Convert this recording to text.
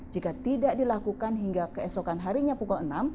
jika tidak dilakukan hingga keesokan harinya pukul enam